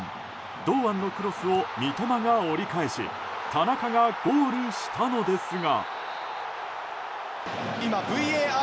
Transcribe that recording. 堂安のクロスを三笘が折り返し田中がゴールしたのですが。